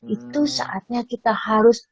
itu saatnya kita harus